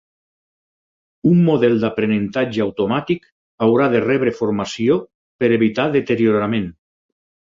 Un model d"aprenentatge automàtic haurà de rebre formació per evitar deteriorament.